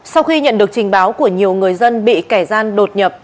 sau khi nhận được trình báo của nhiều người dân bị kẻ gian đột nhập